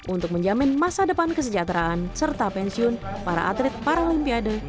untuk menjamin masa depan kesejahteraan serta pensiun para atlet paralimpiade